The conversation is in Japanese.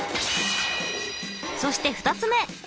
そして２つ目！